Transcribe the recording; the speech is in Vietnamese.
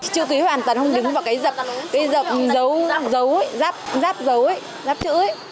chưa ký hoàn toàn không đứng vào cái dập dấu dắp dấu dắp chữ ấy